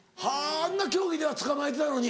あんな競技ではつかまえてたのに。